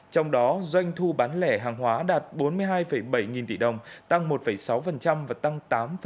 trong đó doanh thu bán lẻ hàng hóa đạt bốn mươi hai bảy nghìn tỷ đồng tăng một sáu và tăng tám ba